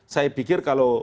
saya pikir kalau